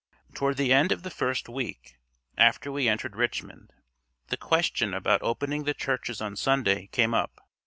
Toward the end of the first week after we entered Richmond the question about opening the churches on Sunday came up.